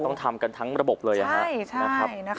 ต้องทำกันทั้งระบบเลยนะครับ